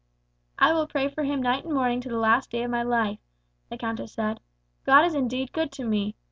"I will pray for him night and morning to the last day of my life," the countess said. "God is indeed good to me.